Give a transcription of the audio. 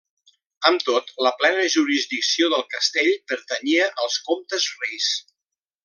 Amb tot, la plena jurisdicció del castell pertanyia als comtes-reis.